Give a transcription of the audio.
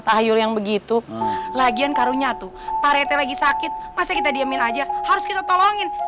tayur yang begitu lagian karunyatu paret sewaktu sakit masa kita diamin aja harus kita tolongin